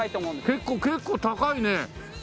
結構結構高いね。